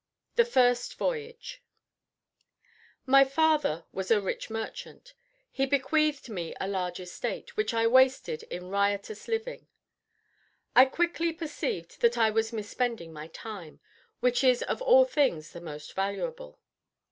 THE FIRST VOYAGE My father was a rich merchant. He bequeathed me a large estate, which I wasted in riotous living. I quickly, perceived that I was misspending my time, which is of all things the most valuable.